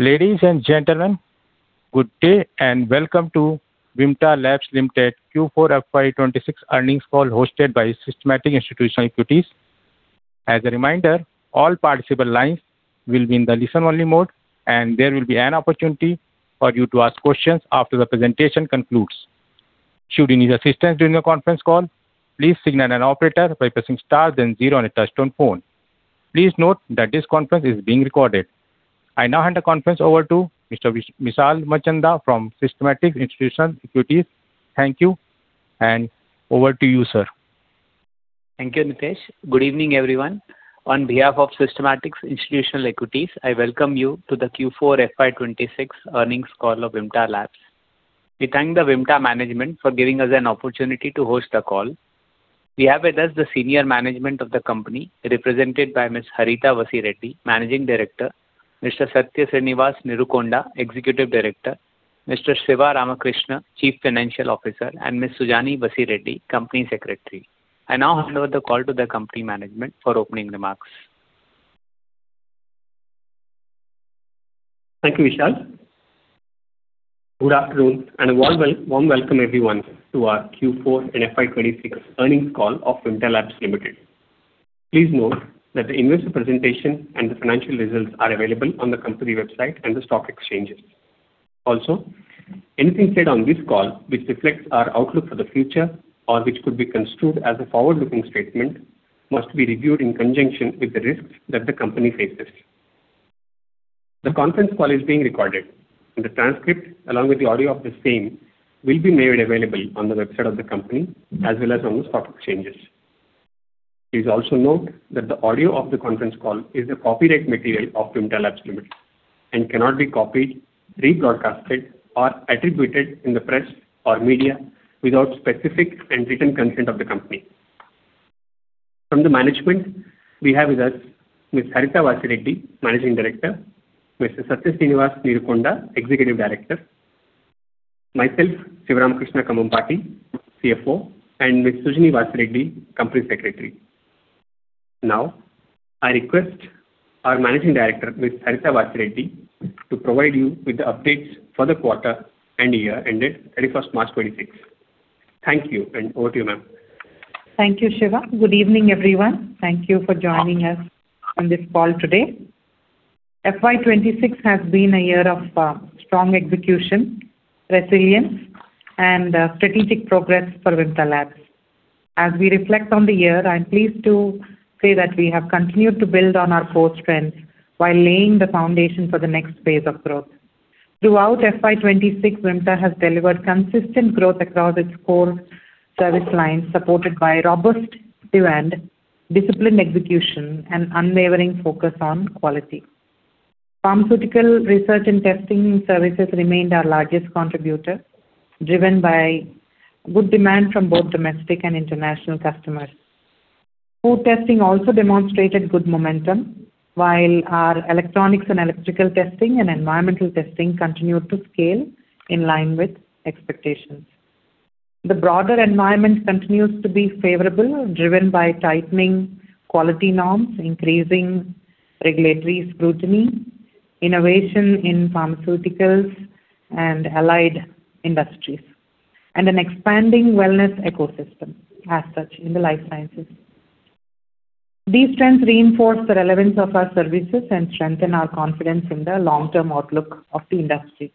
Ladies and gentlemen, good day and welcome to Vimta Labs Limited Q4 FY 2026 earnings call hosted by Systematix Institutional Equities. As a reminder, all participant lines will be in the listen-only mode, and there will be an opportunity for you to ask questions after the presentation concludes. Should you need assistance during the conference call, please signal an operator by pressing star then 0 on a touch-tone phone. Please note that this conference is being recorded. I now hand the conference over to Mr. Vishal Manchanda from Systematix Institutional Equities. Thank you and over to you, sir. Thank you, Nitesh. Good evening, everyone. On behalf of Systematix Institutional Equities, I welcome you to the Q4 FY 2026 earnings call of Vimta Labs. We thank the Vimta management for giving us an opportunity to host the call. We have with us the senior management of the company, represented by Ms. Harita Vasireddi, Managing Director, Mr. Satya Sreenivas Neerukonda, Executive Director, Mr. Siva Rama Krishna, Chief Financial Officer, and Ms. Sujani Vasireddi, Company Secretary. I now hand over the call to the company management for opening remarks. Thank you, Vishal. Good afternoon and a warm welcome everyone to our Q4 and FY 2026 earnings call of Vimta Labs Limited. Please note that the investor presentation and the financial results are available on the company website and the stock exchanges. Anything said on this call which reflects our outlook for the future or which could be construed as a forward-looking statement must be reviewed in conjunction with the risks that the company faces. The conference call is being recorded, and the transcript, along with the audio of the same, will be made available on the website of the company as well as on the stock exchanges. Please also note that the audio of the conference call is a copyright material of Vimta Labs Limited and cannot be copied, rebroadcasted, or attributed in the press or media without specific and written consent of the company. From the management, we have with us Ms. Harita Vasireddi, Managing Director, Mr. Satya Sreenivas Neerukonda, Executive Director, myself, Siva Rama Krishna Kambhampati, CFO, and Ms. Sujani Vasireddi, Company Secretary. I request our Managing Director, Ms. Harita Vasireddi, to provide you with the updates for the quarter and year ended 31st March 2026. Thank you, and over to you, ma'am. Thank you, Siva. Good evening, everyone. Thank you for joining us on this call today. FY 2026 has been a year of strong execution, resilience and strategic progress for Vimta Labs. As we reflect on the year, I'm pleased to say that we have continued to build on our core strengths while laying the foundation for the next phase of growth. Throughout FY 2026, Vimta has delivered consistent growth across its core service lines, supported by robust demand, disciplined execution and unwavering focus on quality. Pharmaceutical research and testing services remained our largest contributor, driven by good demand from both domestic and international customers. Food testing also demonstrated good momentum, while our electronics and electrical testing and environmental testing continued to scale in line with expectations. The broader environment continues to be favorable, driven by tightening quality norms, increasing regulatory scrutiny, innovation in pharmaceuticals and allied industries, and an expanding wellness ecosystem as such in the life sciences. These trends reinforce the relevance of our services and strengthen our confidence in the long-term outlook of the industry.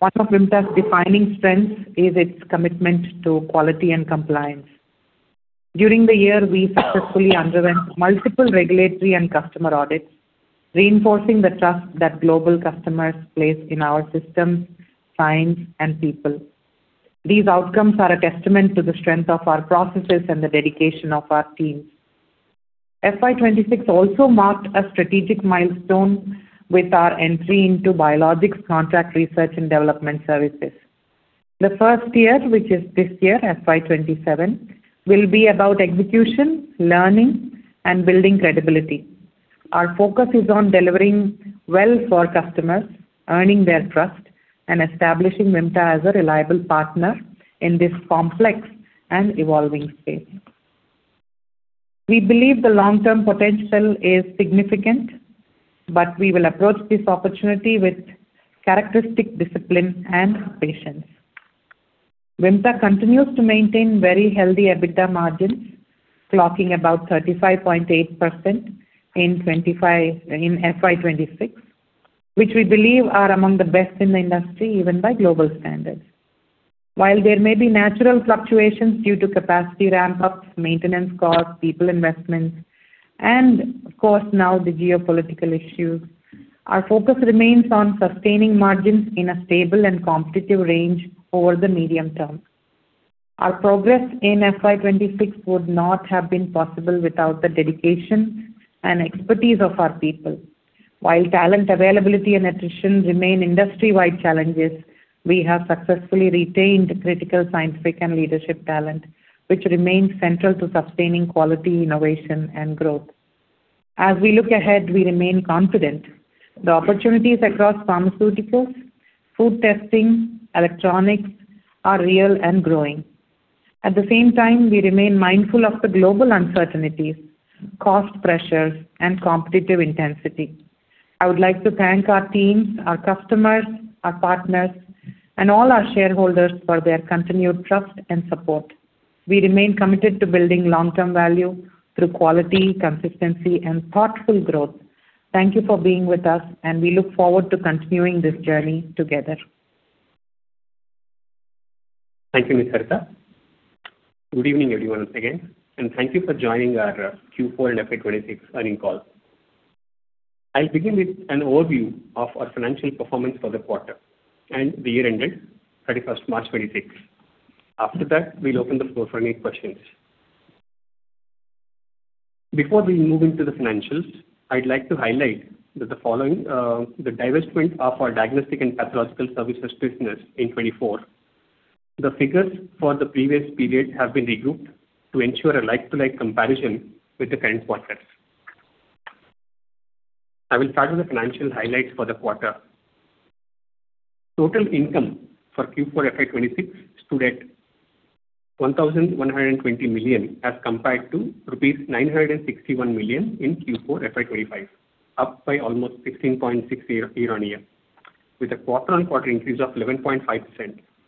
One of Vimta's defining strengths is its commitment to quality and compliance. During the year, we successfully underwent multiple regulatory and customer audits, reinforcing the trust that global customers place in our systems, science, and people. These outcomes are a testament to the strength of our processes and the dedication of our teams. FY 2026 also marked a strategic milestone with our entry into biologics contract research and development services. The first year, which is this year, FY 2027, will be about execution, learning, and building credibility. Our focus is on delivering well for customers, earning their trust, and establishing Vimta as a reliable partner in this complex and evolving space. We believe the long-term potential is significant, we will approach this opportunity with characteristic discipline and patience. Vimta continues to maintain very healthy EBITDA margins, clocking about 35.8% in FY 2026, which we believe are among the best in the industry, even by global standards. While there may be natural fluctuations due to capacity ramp-ups, maintenance costs, people investments, and of course now the geopolitical issues, our focus remains on sustaining margins in a stable and competitive range over the medium term. Our progress in FY 2026 would not have been possible without the dedication and expertise of our people. While talent availability and attrition remain industry-wide challenges, we have successfully retained critical scientific and leadership talent, which remains central to sustaining quality, innovation and growth. As we look ahead, we remain confident. The opportunities across pharmaceuticals, food testing, electronics are real and growing. At the same time, we remain mindful of the global uncertainties, cost pressures, and competitive intensity. I would like to thank our teams, our customers, our partners, and all our shareholders for their continued trust and support. We remain committed to building long-term value through quality, consistency, and thoughtful growth. Thank you for being with us, and we look forward to continuing this journey together. Thank you, Harita Vasireddi. Good evening, everyone, again. Thank you for joining our Q4 and FY 2026 earnings call. I'll begin with an overview of our financial performance for the quarter and the year ended 31st March 2026. After that, we'll open the floor for any questions. Before we move into the financials, I'd like to highlight that the following, the divestment of our diagnostic and pathological services business in 2024. The figures for the previous period have been regrouped to ensure a like-to-like comparison with the current quarters. I will start with the financial highlights for the quarter. Total income for Q4 FY 2026 stood at 1,120 million, as compared to rupees 961 million in Q4 FY 2025, up by almost 16.6% year-on-year, with a quarter-on-quarter increase of 11.5%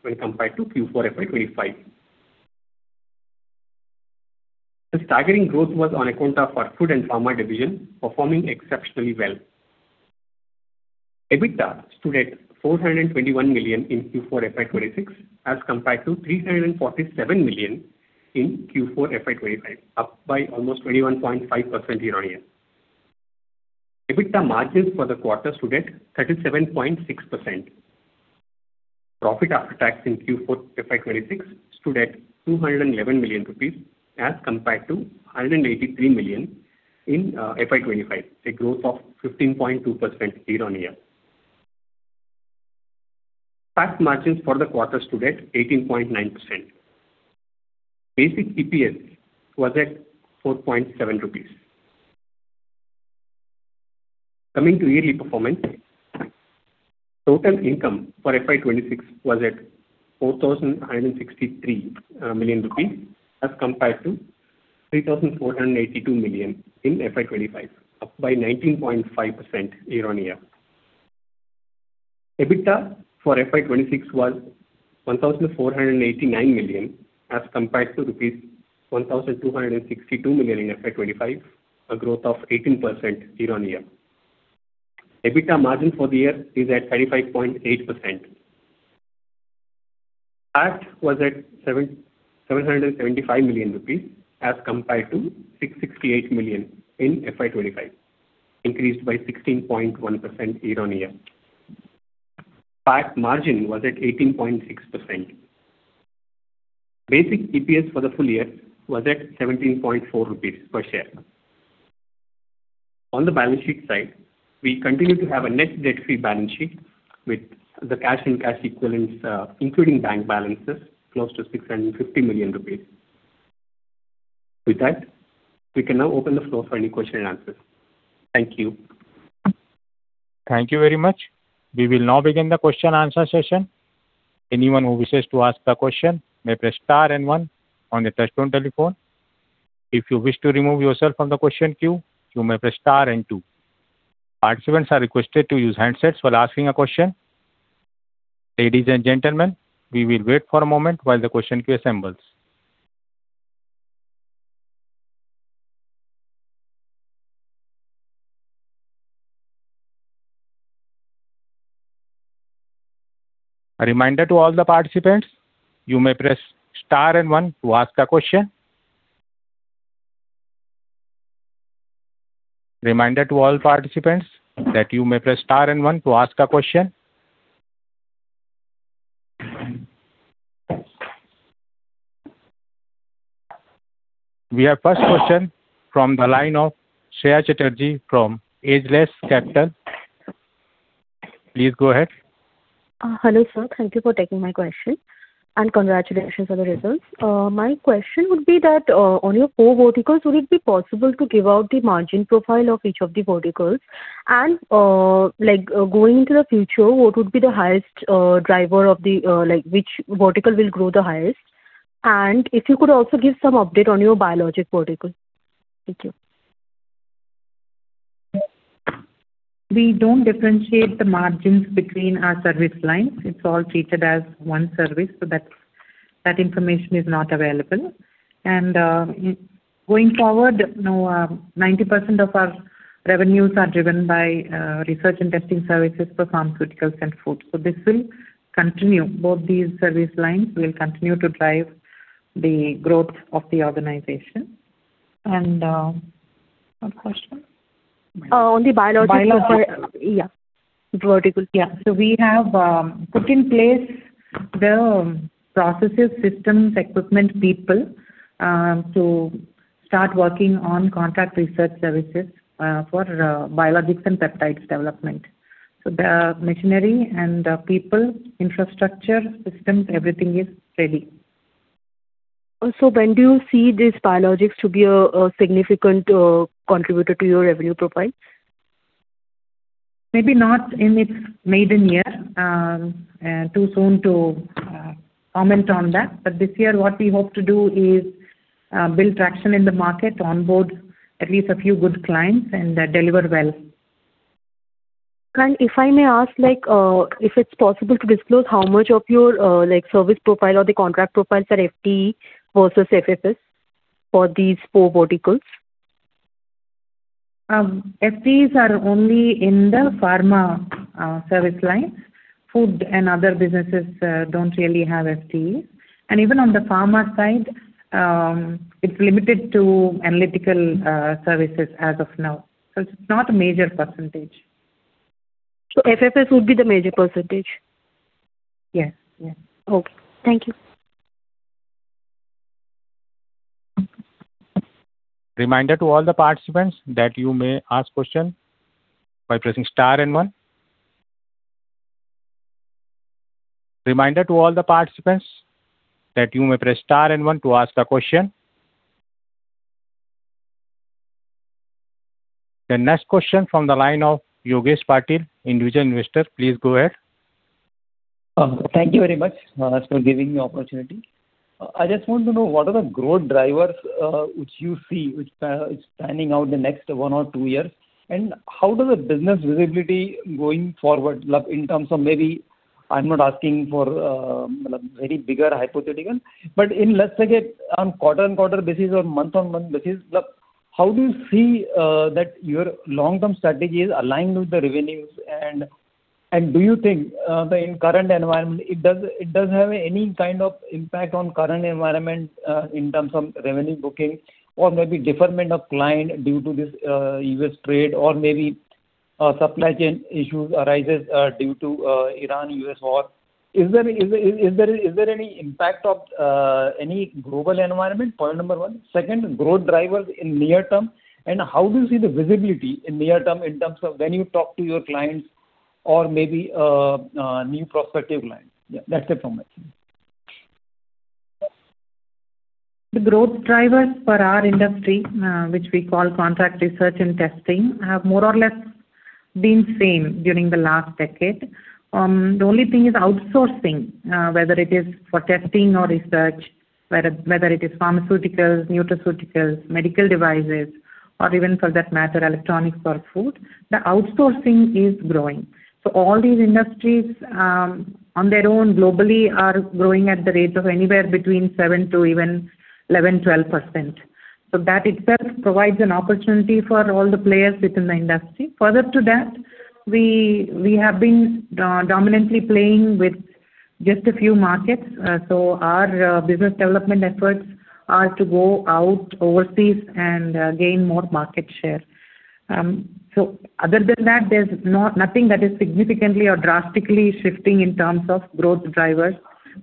when compared to Q4 FY 2025. The staggering growth was on account of our Food and Pharma division performing exceptionally well. EBITDA stood at 421 million in Q4 FY 2026, as compared to 347 million in Q4 FY 2025, up by almost 21.5% year-on-year. EBITDA margins for the quarter stood at 37.6%. Profit after tax in Q4 FY 2026 stood at 211 million rupees as compared to 183 million in FY 2025, a growth of 15.2% year-on-year. Tax margins for the quarter stood at 18.9%. Basic EPS was at INR 4.7. Coming to yearly performance, total income for FY 2026 was at 4,163 million as compared to rupees 3,482 million in FY 2025, up by 19.5% year-on-year. EBITDA for FY 2026 was 1,489 million as compared to rupees 1,262 million in FY 2025, a growth of 18% year-on-year. EBITDA margin for the year is at 35.8%. Tax was at 775 million rupees as compared to 668 million in FY 2025, increased by 16.1% year-on-year. Tax margin was at 18.6%. Basic EPS for the full year was at 17.4 rupees per share. On the balance sheet side, we continue to have a net debt-free balance sheet with the cash and cash equivalents, including bank balances close to 650 million rupees. With that, we can now open the floor for any question and answers. Thank you. Thank you very. We will noe begin the question-and-answer session. Anyone who wishes to ask a question may press star and one on the touchtone telephone. If you wish to remove yourself from the question queue, you may press star and two. Participants are requested to use headset while asking a question. Ladies and gentlemen, we will wait for a moment while the question queue assembles. We have first question from the line of Shreya Chatterjee from Ageless Capital. Please go ahead. Hello, sir. Thank you for taking my question, and congratulations on the results. My question would be that on your core verticals, would it be possible to give out the margin profile of each of the verticals and, like, going into the future, what would be the highest driver of the, like which vertical will grow the highest? If you could also give some update on your biologic vertical. Thank you. We don't differentiate the margins between our service lines. It's all treated as one service, so that information is not available. Going forward, you know, 90% of our revenues are driven by research and testing services for pharmaceuticals and food. This will continue. Both these service lines will continue to drive the growth of the organization. What question? On the biologics. Biologics. Yeah. Vertical. Yeah. We have put in place the processes, systems, equipment, people, to start working on contract research services, for biologics and peptides development. The machinery and the people, infrastructure, systems, everything is ready. When do you see these biologics to be a significant contributor to your revenue profile? Maybe not in its maiden year, too soon to comment on that. This year, what we hope to do is build traction in the market, onboard at least a few good clients, and deliver well. If I may ask, like, if it's possible to disclose how much of your, like, service profile or the contract profiles are FTE versus FFS for these four verticals? FTEs are only in the pharma service lines. Food and other businesses don't really have FTEs. Even on the pharma side, it's limited to analytical services as of now. It's not a major percentage. FFS would be the major percentage? Yes. Yes. Okay. Thank you. Reminder to all the participants that you may ask question by pressing star and one. Reminder to all the participants that you may press star and one to ask a question. The next question from the line of Yogesh Patil, individual investor. Please go ahead. Thank you very much for giving me opportunity. I just want to know what are the growth drivers which you see which is panning out the next one or two years? How does the business visibility going forward, like, in terms of maybe I'm not asking for, like, very bigger hypothetical, but in let's take it on quarter-on-quarter basis or month-on-month basis, like, how do you see that your long-term strategy is aligned with the revenues? Do you think the in current environment, it does have any kind of impact on current environment in terms of revenue booking or maybe deferment of client due to this U.S. trade or maybe supply chain issues arises due to Iran-U.S. war? Is there any impact of any global environment? Point number 1. Second, growth drivers in near term, how do you see the visibility in near term in terms of when you talk to your clients or maybe new prospective clients? Yeah, that's it from my side. The growth drivers for our industry, which we call contract research and testing, have more or less been same during the last decade. The only thing is outsourcing, whether it is for testing or research, whether it is pharmaceuticals, nutraceuticals, medical devices, or even for that matter, electronics or food, the outsourcing is growing. All these industries, on their own globally are growing at the rates of anywhere between 7% to even 11%, 12%. That itself provides an opportunity for all the players within the industry. Further to that, we have been dominantly playing with just a few markets. Our business development efforts are to go out overseas and gain more market share. Other than that, there's nothing that is significantly or drastically shifting in terms of growth drivers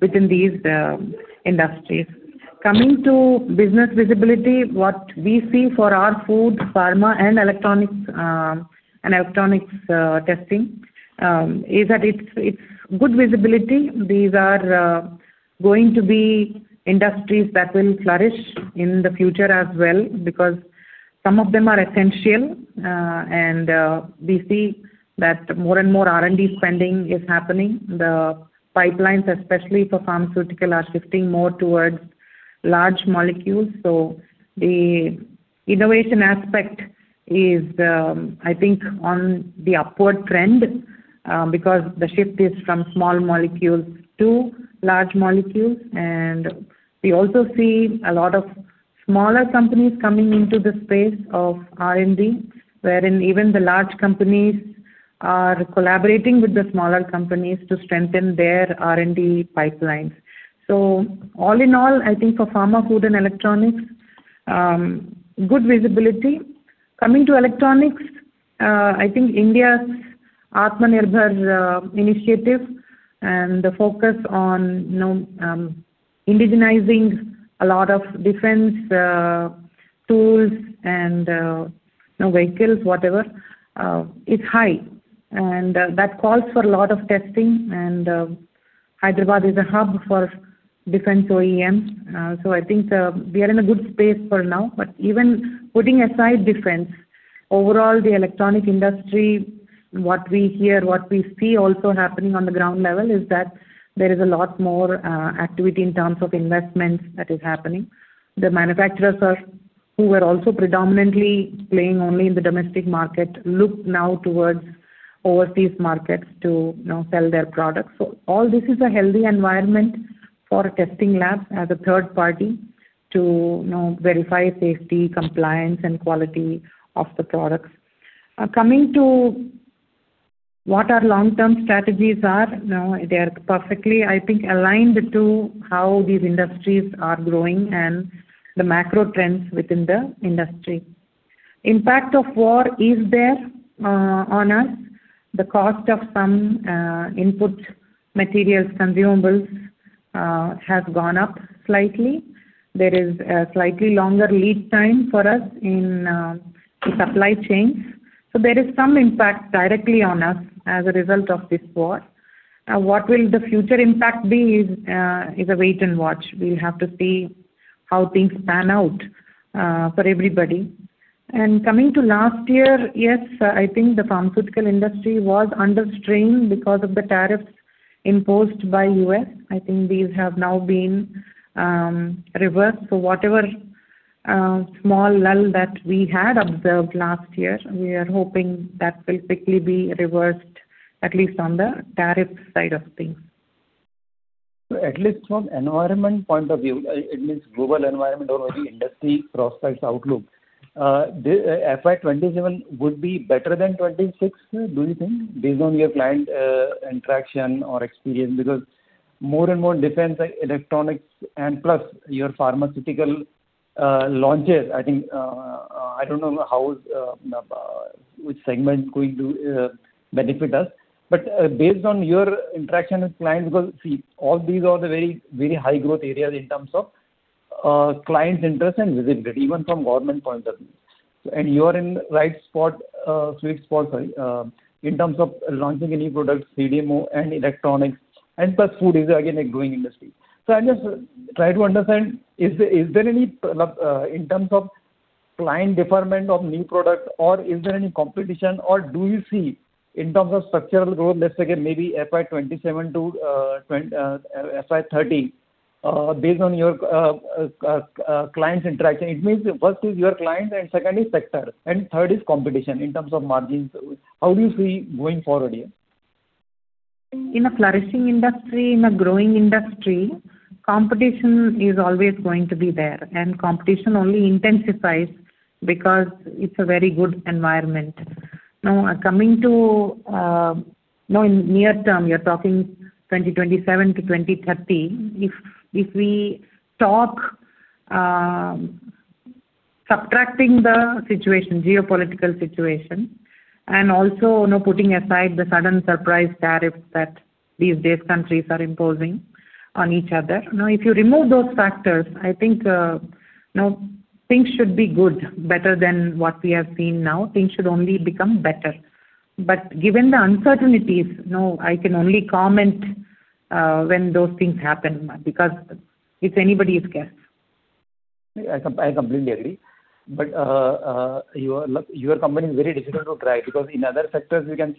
within these industries. Coming to business visibility, what we see for our food, pharma and electronics, and electronics testing, is that it's good visibility. These are going to be industries that will flourish in the future as well because some of them are essential. We see that more and more R&D spending is happening. The pipelines, especially for pharmaceutical, are shifting more towards large molecules. The innovation aspect is, I think on the upward trend, because the shift is from small molecules to large molecules. We also see a lot of smaller companies coming into the space of R&D, wherein even the large companies are collaborating with the smaller companies to strengthen their R&D pipelines. All in all, I think for pharma, food and electronics, good visibility. Coming to electronics, I think India's Atmanirbhar initiative and the focus on, you know, indigenizing a lot of defense tools and, you know, vehicles, whatever, is high. That calls for a lot of testing and Hyderabad is a hub for defense OEM. I think we are in a good space for now. Even putting aside defense, overall the electronic industry, what we hear, what we see also happening on the ground level is that there is a lot more activity in terms of investments that is happening. The manufacturers are who were also predominantly playing only in the domestic market, look now towards overseas markets to, you know, sell their products. All this is a healthy environment for a testing lab as a third party to, you know, verify safety, compliance and quality of the products. Coming to what our long-term strategies are, you know, they are perfectly, I think, aligned to how these industries are growing and the macro trends within the industry. Impact of war is there on us. The cost of some input materials, consumables, has gone up slightly. There is a slightly longer lead time for us in the supply chains. There is some impact directly on us as a result of this war. What will the future impact be is a wait and watch. We have to see how things pan out for everybody. Coming to last year, yes, I think the pharmaceutical industry was under strain because of the tariffs imposed by U.S. I think these have now been reversed. Whatever small lull that we had observed last year, we are hoping that will quickly be reversed, at least on the tariff side of things. At least from environment point of view, at least global environment or only industry prospects outlook, FY 2027 would be better than 2026, do you think, based on your client interaction or experience? Because more and more defense, electronics and plus your pharmaceutical launches, I think, I don't know how, which segment is going to benefit us. Based on your interaction with clients, because, see, all these are the very, very high growth areas in terms of clients interest and visibility even from government point of view. You are in the right spot, sweet spot, sorry, in terms of launching any products, CDMO and electronics and plus food is again a growing industry. I'm just try to understand, is there any in terms of client deferment of new product or is there any competition or do you see in terms of structural growth, let's say maybe FY 2027 to FY 2030, based on your client interaction, it means first is your client and second is sector and third is competition in terms of margins, how do you see going forward here? In a flourishing industry, in a growing industry, competition is always going to be there, and competition only intensifies because it's a very good environment. Coming to, you know, in near term, you're talking 2027 to 2030. If we talk, subtracting the situation, geopolitical situation, and also, you know, putting aside the sudden surprise tariffs that these days countries are imposing on each other. If you remove those factors, I think, you know, things should be good, better than what we have seen now. Things should only become better. Given the uncertainties, no, I can only comment when those things happen because it's anybody's guess. I completely agree. Your company is very difficult to track because in other sectors we can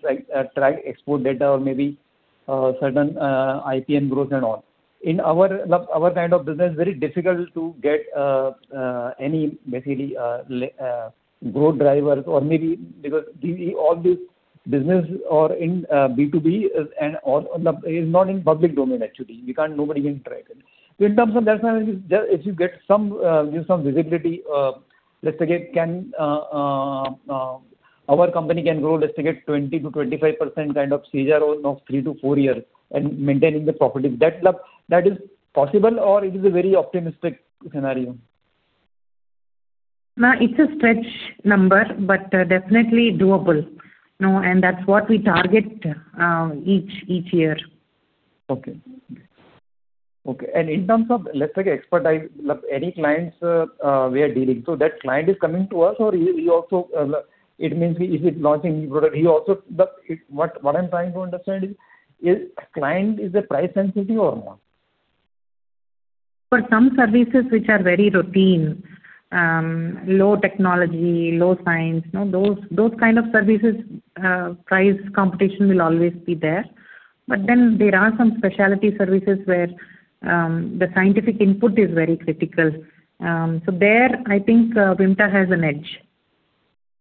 track export data or maybe certain IP and growth and all. In our kind of business, very difficult to get any basically growth drivers or maybe because all these businesses are in B2B and all is not in public domain actually. Nobody can track it. In terms of that manner, if you get some, you know, some visibility, let's say, can our company grow, let's say, get 20%-25% kind of CAGR over the next three to four years and maintaining the profit. Is that, like, that is possible or it is a very optimistic scenario? No, it's a stretch number but definitely doable. No, that's what we target each year. Okay. Okay. In terms of, let's say, expertise, like any clients, we are dealing. That client is coming to us or you also, it means he is launching new product. What I'm trying to understand is client is price sensitive or not? For some services which are very routine, low technology, low science, you know, those kind of services, price competition will always be there. There are some specialty services where the scientific input is very critical. There I think, Vimta has an edge.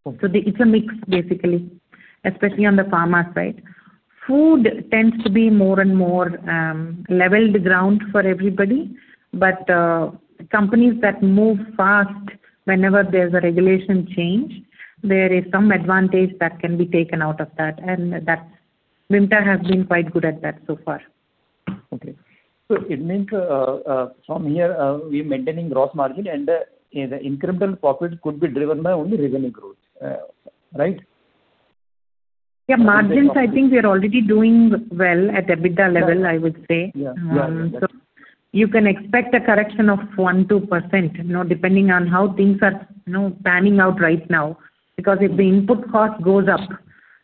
Okay. It's a mix basically, especially on the pharma side. Food tends to be more and more leveled ground for everybody. Companies that move fast whenever there's a regulation change, there is some advantage that can be taken out of that and that Vimta has been quite good at that so far. Okay. It means, from here, we're maintaining gross margin and, the incremental profit could be driven by only revenue growth. Right? Yeah. Margins, I think we are already doing well at EBITDA level, I would say. Yeah. Yeah, yeah. You can expect a correction of 1%, 2%, you know, depending on how things are, you know, panning out right now. Because if the input cost goes up,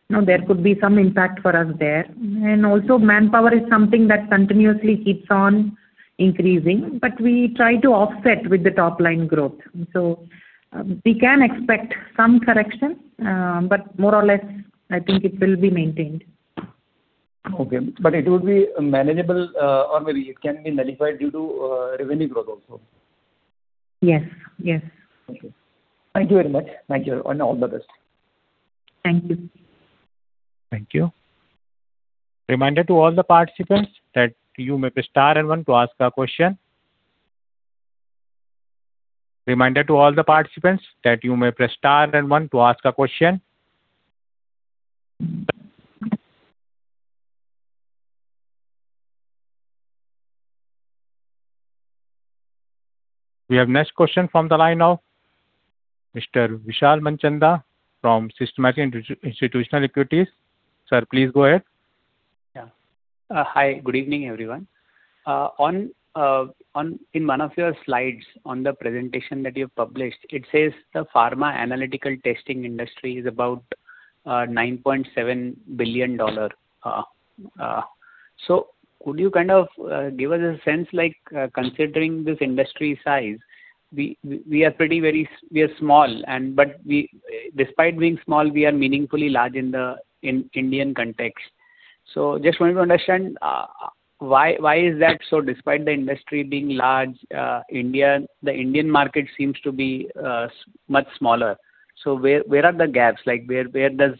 you know, there could be some impact for us there. Also manpower is something that continuously keeps on increasing, but we try to offset with the top line growth. We can expect some correction, but more or less I think it will be maintained. Okay. It will be manageable, or maybe it can be nullified due to revenue growth also. Yes. Yes. Okay. Thank you very much. Thank you. All the best. Thank you. Thank you. Reminder to all the participants that you may press star and one to ask a question. We have next question from the line of Mr. Vishal Manchanda from Systematix Institutional Equities. Sir, please go ahead. Hi, good evening, everyone. In one of your slides on the presentation that you've published, it says the pharma analytical testing industry is about $9.7 billion. Could you kind of give us a sense, like, considering this industry size, we are pretty very small, but we, despite being small, are meaningfully large in the Indian context. Just wanted to understand, why is that so? Despite the industry being large, India, the Indian market seems to be much smaller. Where are the gaps? Like, where does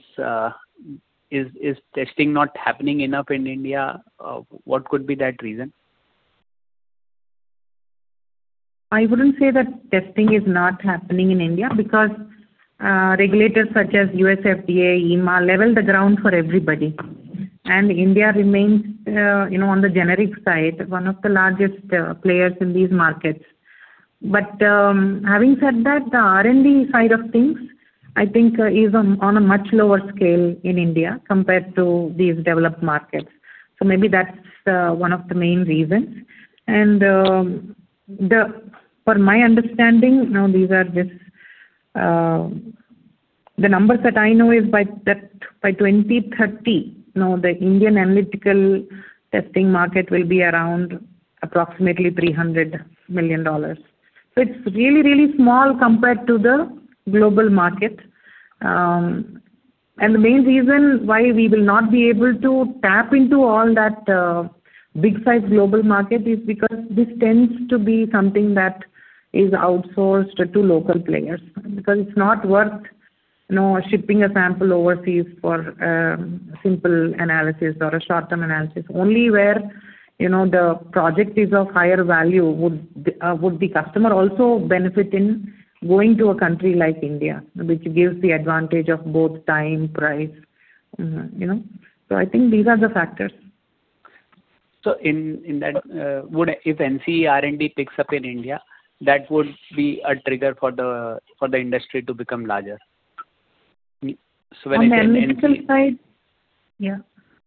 testing not happening enough in India? What could be that reason? I wouldn't say that testing is not happening in India because regulators such as U.S. FDA, EMA level the ground for everybody. India remains, you know, on the generic side, one of the largest players in these markets. Having said that, the R&D side of things, I think, is on a much lower scale in India compared to these developed markets. Maybe that's one of the main reasons. For my understanding, now these are just The numbers that I know is by that by 2030, you know, the Indian analytical testing market will be around approximately $300 million. It's really, really small compared to the global market. The main reason why we will not be able to tap into all that big size global market is because this tends to be something that is outsourced to local players. Because it's not worth, you know, shipping a sample overseas for simple analysis or a short-term analysis. Only where, you know, the project is of higher value would the customer also benefit in going to a country like India, which gives the advantage of both time, price, you know. I think these are the factors. In that, if NCE R&D picks up in India, that would be a trigger for the industry to become larger. When I say NCE. On the analytical side? Yeah.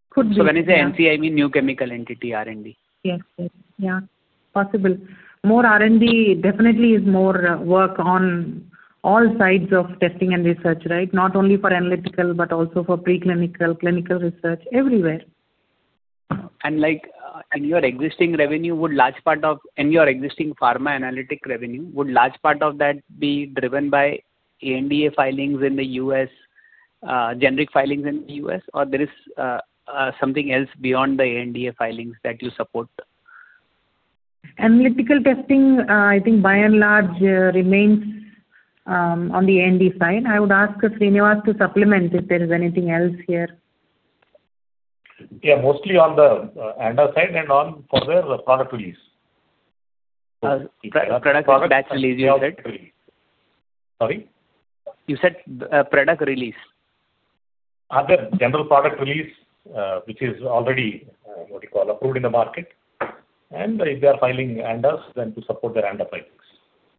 Could be. Yeah. When I say NCE, I mean new chemical entity R&D. Yes. Yes. Yeah. Possible. More R&D definitely is more work on all sides of testing and research, right? Not only for analytical, but also for preclinical, clinical research, everywhere. Your existing pharma analytic revenue, would large part of that be driven by ANDA filings in the U.S., generic filings in the U.S.? Is something else beyond the ANDA filings that you support? Analytical testing, I think by and large, remains on the ANDA side. I would ask Sreenivas to supplement if there is anything else here. Yeah. Mostly on the ANDA side and on further product release. Product batch release you said? Sorry? You said, product release. Other general product release, which is already, what do you call, approved in the market. If they are filing ANDAs, then to support their ANDA filings.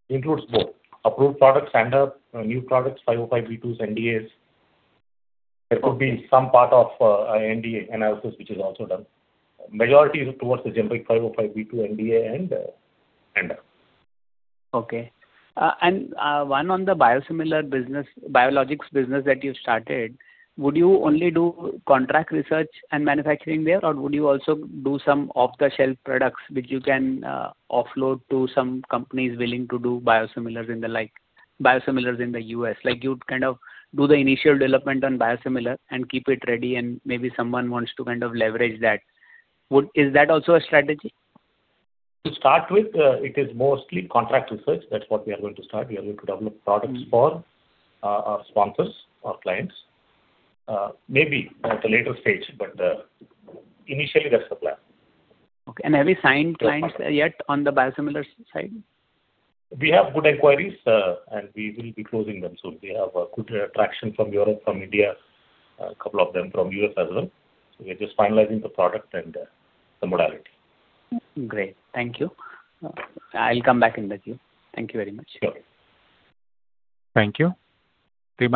Includes both approved products, ANDA, new products, 505(b)(2)s, NDAs. There could be some part of NDA analysis which is also done. Majority is towards the generic 505(b)(2) NDA and ANDA. Okay. One on the biosimilar business, biologics business that you started, would you only do contract research and manufacturing there? Or would you also do some off-the-shelf products which you can offload to some companies willing to do biosimilars in the U.S.? Like you'd kind of do the initial development on biosimilar and keep it ready and maybe someone wants to kind of leverage that. Is that also a strategy? To start with, it is mostly contract research. That's what we are going to start. We are going to develop products for our sponsors, our clients. Maybe at a later stage, but initially that's the plan. Okay. Have you signed clients yet on the biosimilars side? We have good inquiries. We will be closing them soon. We have a good traction from Europe, from India, a couple of them from U.S. as well. We're just finalizing the product and the modality. Great. Thank you. I'll come back in with you. Thank you very much. Sure. Thank you. The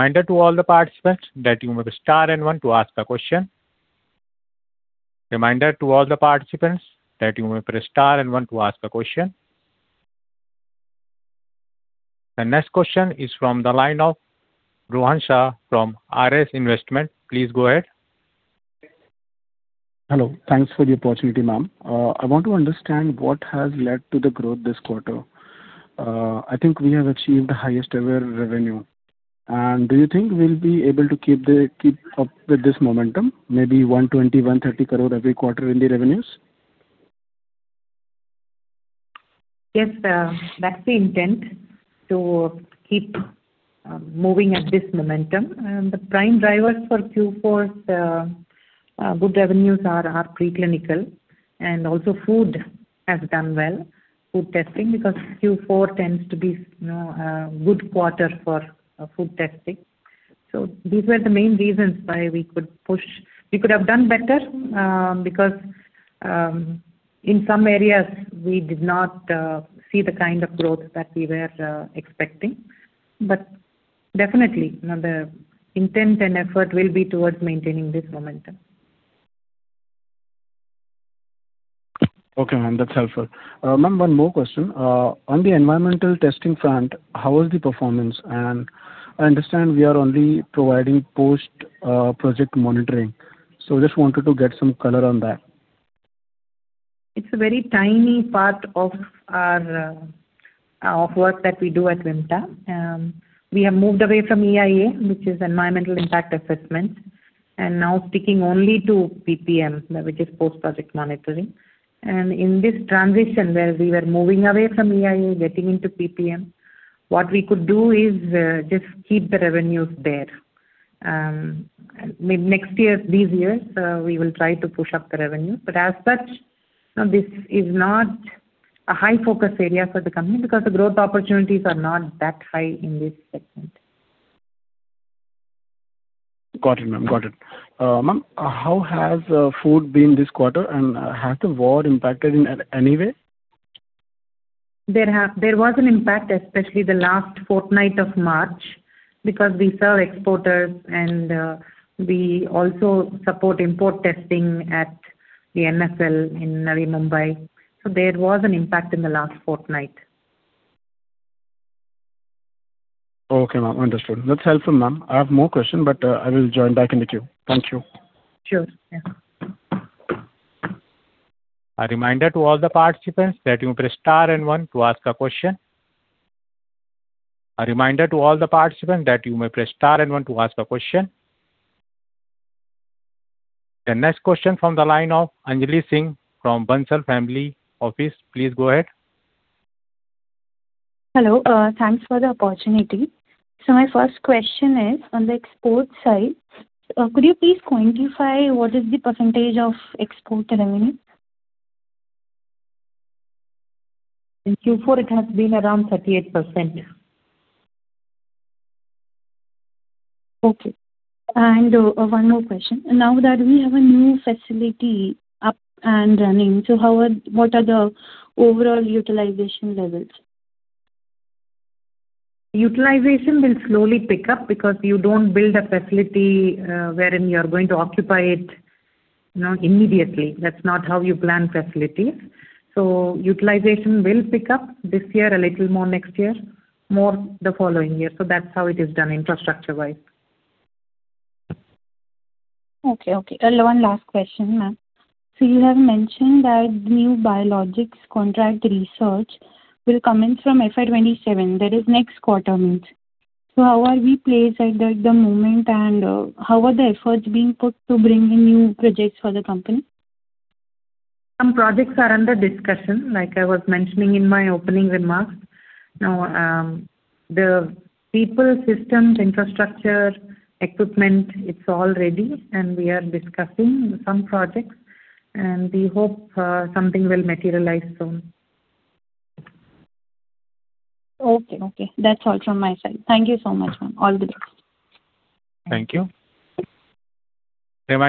next question is from the line of Rohan Shah from RS Investment. Please go ahead. Hello. Thanks for the opportunity, ma'am. I want to understand what has led to the growth this quarter. I think we have achieved the highest ever revenue. Do you think we'll be able to keep up with this momentum, maybe 120 crore-130 crore every quarter in the revenues? Yes, that's the intent to keep moving at this momentum. The prime drivers for Q4's good revenues are preclinical and also food has done well. Food testing, because Q4 tends to be, you know, a good quarter for food testing. These were the main reasons why we could push. We could have done better, because in some areas we did not see the kind of growth that we were expecting. Definitely. Now the intent and effort will be towards maintaining this momentum. Okay, ma'am. That's helpful. Ma'am, one more question. On the environmental testing front, how is the performance? I understand we are only providing post project monitoring. Just wanted to get some color on that. It's a very tiny part of our work that we do at Vimta. We have moved away from EIA, which is environmental impact assessment, and now sticking only to PPM, which is post-project monitoring. In this transition where we were moving away from EIA, getting into PPM, what we could do is just keep the revenues there. Next year, this year, we will try to push up the revenue. As such, no, this is not a high focus area for the company because the growth opportunities are not that high in this segment. Got it, ma'am. Got it. Ma'am, how has food been this quarter? Has the war impacted in any way? There was an impact, especially the last fortnight of March, because we serve exporters and we also support import testing at the NFL in Navi Mumbai. There was an impact in the last fortnight. Okay, ma'am. Understood. That's helpful, ma'am. I have more question, but I will join back in the queue. Thank you. Sure. Yeah. The next question from the line of Anjali Singh from Bansal Family Office. Please go ahead. Hello. Thanks for the opportunity. My first question is on the export side, could you please quantify what is the percentage of export revenue? In Q4, it has been around 38%. Okay. One more question. Now that we have a new facility up and running, what are the overall utilization levels? Utilization will slowly pick up because you don't build a facility, wherein you are going to occupy it, you know, immediately. That's not how you plan facilities. Utilization will pick up this year, a little more next year, more the following year. That's how it is done infrastructure-wise. Okay. Okay. One last question, ma'am. You have mentioned that new biologics contract research will commence from FY 2027, that is next quarter means. How are we placed at the moment, and how are the efforts being put to bring in new projects for the company? Some projects are under discussion, like I was mentioning in my opening remarks. The people, systems, infrastructure, equipment, it's all ready, and we are discussing some projects, and we hope something will materialize soon. Okay. Okay. That's all from my side. Thank you so much, ma'am. All the best. Thank you. Next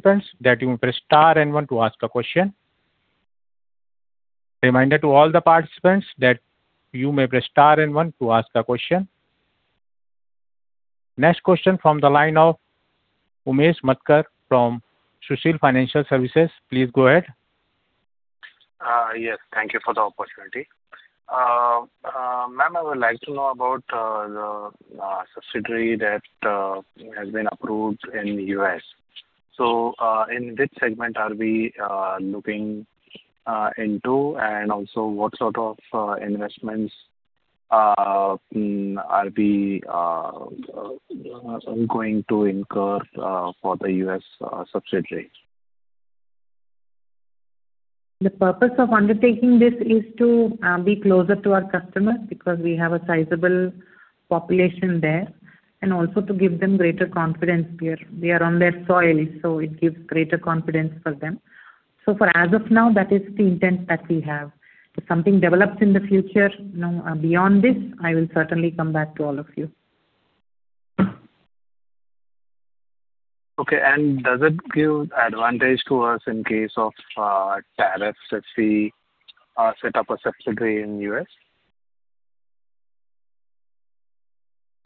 question from the line of Umesh Matkar from Sushil Financial Services. Please go ahead. Yes, thank you for the opportunity. Ma'am, I would like to know about the subsidiary that has been approved in U.S. In which segment are we looking into and also what sort of investments are we going to incur for the U.S. subsidiary? The purpose of undertaking this is to be closer to our customers because we have a sizable population there, and also to give them greater confidence. We are on their soil, so it gives greater confidence for them. For as of now, that is the intent that we have. If something develops in the future, you know, beyond this, I will certainly come back to all of you. Okay. Does it give advantage to us in case of tariffs if we set up a subsidiary in U.S.?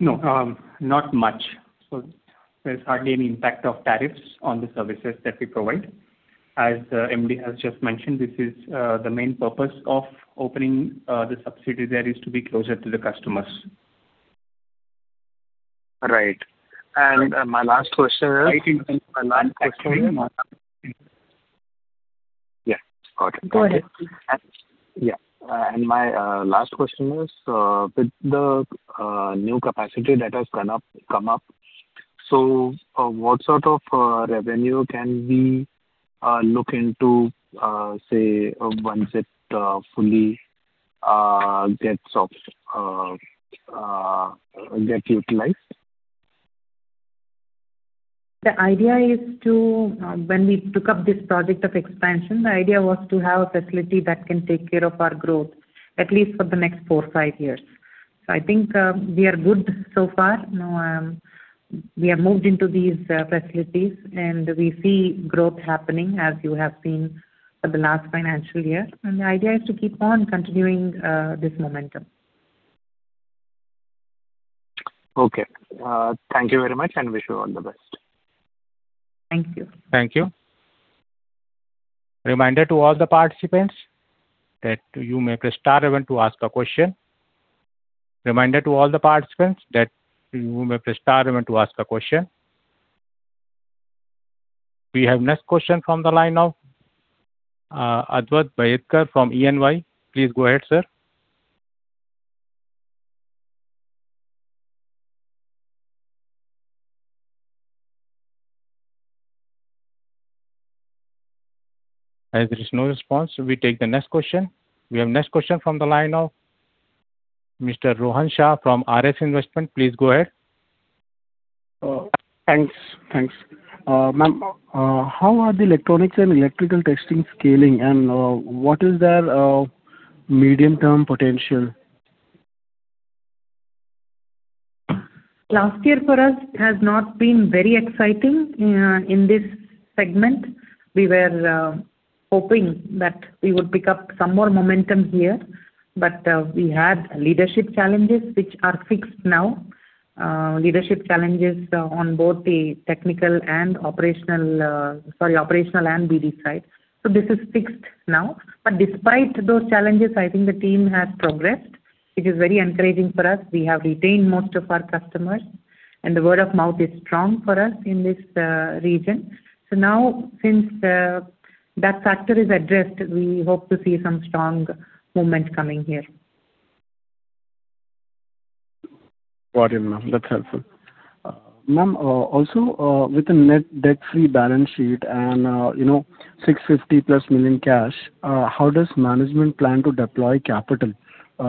No, not much. There's hardly any impact of tariffs on the services that we provide. As the MD has just mentioned, this is the main purpose of opening the subsidiary there is to be closer to the customers. Right. My last question is. I think. Yeah. Got it. Go ahead. Yeah. My last question is with the new capacity that has come up, so what sort of revenue can we look into, say, once it fully gets off, get utilized? The idea is to, when we took up this project of expansion, the idea was to have a facility that can take care of our growth, at least for the next four, five years. I think, we are good so far. You know, we have moved into these facilities, and we see growth happening, as you have seen for the last financial year. The idea is to keep on continuing this momentum. Okay. Thank you very much, and wish you all the best. Thank you. Thank you. Reminder to all the participants that you may press star one to ask a question. Reminder to all the participants that you may press star one to ask a question. We have next question from the line of Advait Bhadekar from EY. Please go ahead, sir. As there is no response, we take the next question. We have next question from the line of Mr. Rohan Shah from RS Investment. Please go ahead. Thanks. Ma'am, how are the electronics and electrical testing scaling, and what is their medium-term potential? Last year for us has not been very exciting in this segment. We were hoping that we would pick up some more momentum here. We had leadership challenges which are fixed now. Leadership challenges on both the technical and operational, Sorry, operational and BD side. This is fixed now. Despite those challenges, I think the team has progressed. It is very encouraging for us. We have retained most of our customers, and the word of mouth is strong for us in this region. Now since that factor is addressed, we hope to see some strong momentum coming here. Got you, ma'am. That's helpful. Ma'am, also, with a net debt-free balance sheet and, you know, 650+ million cash, how does management plan to deploy capital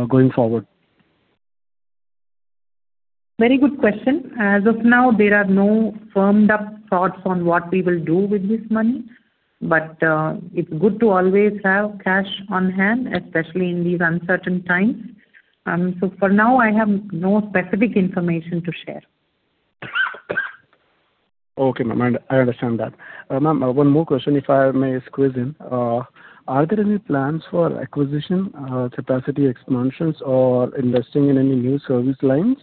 going forward? Very good question. As of now, there are no firmed-up thoughts on what we will do with this money. It's good to always have cash on hand, especially in these uncertain times. For now I have no specific information to share. Okay, ma'am. I understand that. Ma'am, one more question if I may squeeze in. Are there any plans for acquisition, capacity expansions or investing in any new service lines?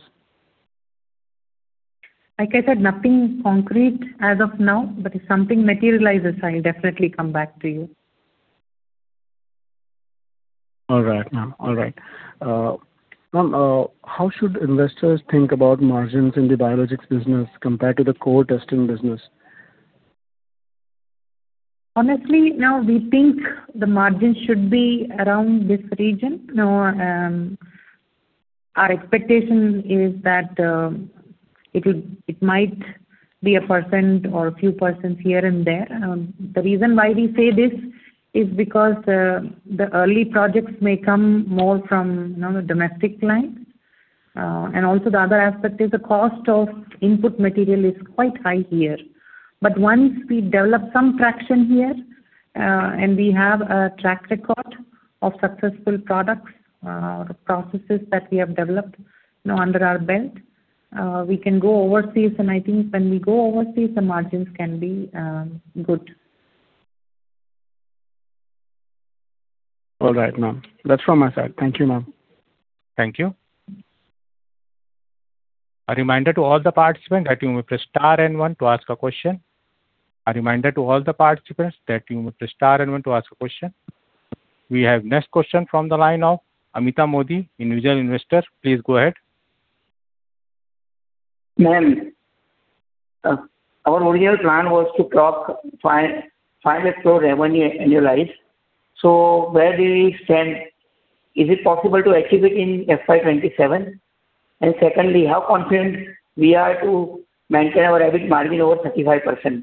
I said, nothing concrete as of now, but if something materializes, I'll definitely come back to you. All right, ma'am. All right. Ma'am, how should investors think about margins in the biologics business compared to the core testing business? Honestly, now we think the margin should be around this region. You know, our expectation is that it might be a % or a few % here and there. The reason why we say this is because the early projects may come more from, you know, the domestic clients. Also the other aspect is the cost of input material is quite high here. Once we develop some traction here, and we have a track record of successful products, processes that we have developed, you know, under our belt, we can go overseas. I think when we go overseas, the margins can be good. All right, ma'am. That's from my side. Thank you, ma'am. Thank you. A reminder to all the participants that you may press star and one to ask a question. We have next question from the line of Amitha Mody, individual investor. Please go ahead. Ma'am, our original plan was to cross 500 crore revenue annualized. Where do we stand? Is it possible to achieve it in FY 2027? Secondly, how confident we are to maintain our EBIT margin over 35%?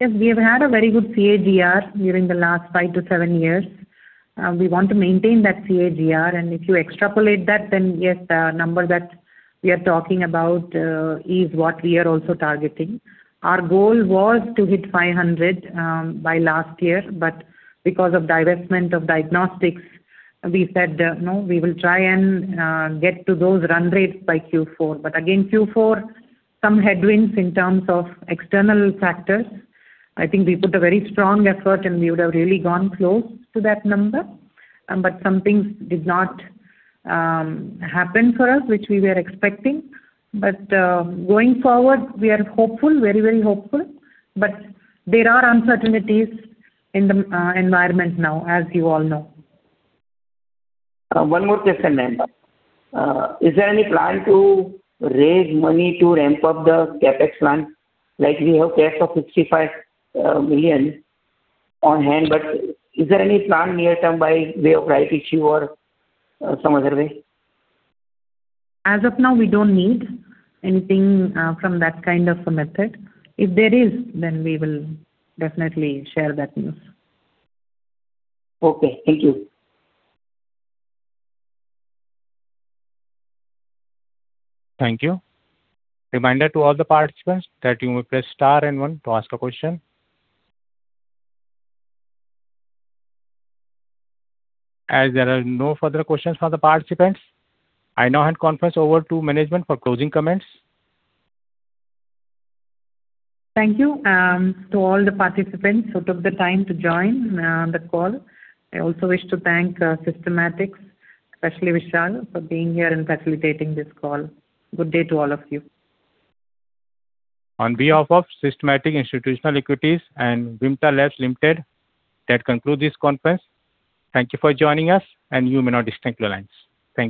Yes, we have had a very good CAGR during the last five to seven years. We want to maintain that CAGR, if you extrapolate that, yes, the number that we are talking about is what we are also targeting. Our goal was to hit 500 by last year. Because of divestment of diagnostics, we said, you know, we will try to get to those run rates by Q4. Again, Q4, some headwinds in terms of external factors. I think we put a very strong effort, we would have really gone close to that number. Some things did not happen for us, which we were expecting. Going forward, we are hopeful, very, very hopeful. There are uncertainties in the environment now, as you all know. One more question, ma'am. Is there any plan to raise money to ramp up the CapEx plan? Like we have cash of 55 million on hand. Is there any plan near term by way of rights issue or some other way? As of now, we don't need anything from that kind of a method. If there is, then we will definitely share that news. Okay. Thank you. Thank you. Reminder to all the participants that you may press star and one to ask a question. As there are no further questions from the participants, I now hand conference over to management for closing comments. Thank you to all the participants who took the time to join the call. I also wish to thank Systematix, especially Vishal, for being here and facilitating this call. Good day to all of you. On behalf of Systematix Institutional Equities and Vimta Labs Limited, that concludes this conference. Thank you for joining us, and you may now disconnect your lines.